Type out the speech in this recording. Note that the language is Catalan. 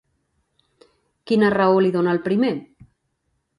Quina raó li dona el primer?